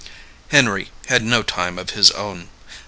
Henry had no time of his own.